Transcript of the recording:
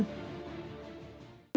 để mà thực hiện